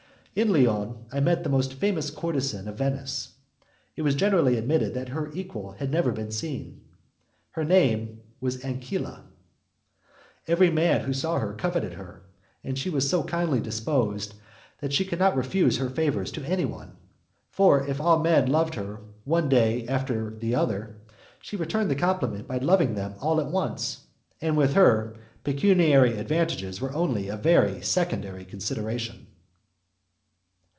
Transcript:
In Lyons I met the most famous courtezan of Venice. It was generally admitted that her equal had never been seen. Her name was Ancilla. Every man who saw her coveted her, and she was so kindly disposed that she could not refuse her favours to anyone; for if all men loved her one after the other, she returned the compliment by loving them all at once, and with her pecuniary advantages were only a very secondary consideration.